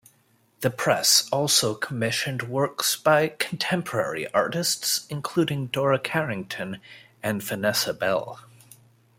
The Press also commissioned works by contemporary artists, including Dora Carrington and Vanessa Bell.